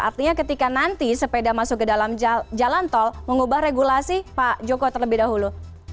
artinya ketika nanti sepeda masuk ke dalam jalan tol mengubah regulasi pak joko terlebih dahulu